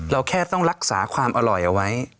เราแค่ต้องรักษาความอร่อยเอาไว้